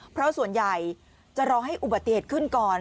เพราะส่วนใหญ่จะรอให้อุบัติเหตุขึ้นก่อน